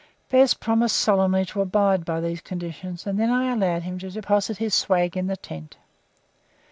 Bez promised solemnly to abide by these conditions, and then I allowed him to deposit his swag in the tent.